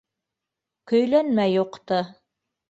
— Көйләнмә юҡты.